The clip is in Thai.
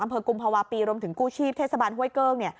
กุมภาวะปีรวมถึงกู้ชีพเทศบาลห้วยเกิ้ง